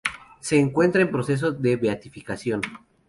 Se encuentra en proceso de beatificación.